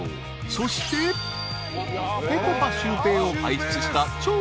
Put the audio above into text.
そしてぺこぱシュウペイを輩出した超名門］